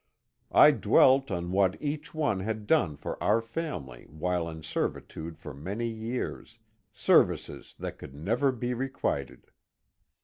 I dwelt on what each one had done for our family while in servitude for many years, — services that could never be requited.